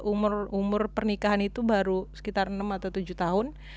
umur umur pernikahan itu baru sekitar enam atau tujuh tahun